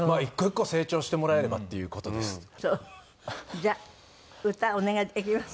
じゃあ歌お願いできますか？